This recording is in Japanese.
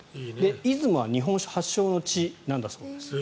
出雲は日本酒発祥の地なんだそうです。